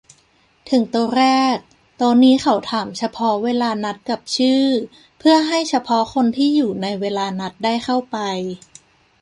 ถึงโต๊ะแรก โต๊ะนี้เขาถามเฉพาะเวลานัดกับชื่อ เพื่อให้เฉพาะคนที่อยู่ในเวลานัดได้เข้าไป